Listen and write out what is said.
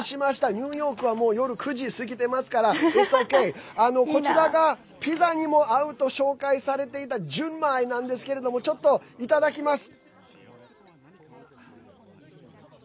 ニューヨークはもう夜９時過ぎてますからＩｔ’ｓｏｋａｙ．こちらがピザに合うと紹介されていたＪＵＮＭＡＩなんですけどちょっと、いただきます。